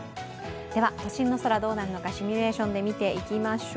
都心の空どうなるのか、シミュレーションで見ていきましょう。